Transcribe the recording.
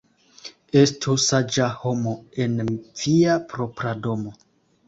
Estu saĝa homo en via propra domo.